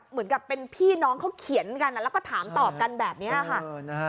เหมือนกับเป็นพี่น้องเขาเขียนกันแล้วก็ถามตอบกันแบบนี้ค่ะ